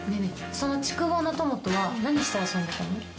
その竹馬の友とは何して遊んでたの？